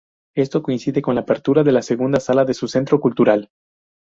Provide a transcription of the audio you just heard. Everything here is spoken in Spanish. Esto coincide con la apertura de la segunda sala de su centro cultural.